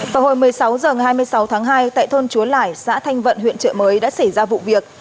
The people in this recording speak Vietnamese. vào hồi một mươi sáu h ngày hai mươi sáu tháng hai tại thôn chúa lẻi xã thanh vận huyện trợ mới đã xảy ra vụ việc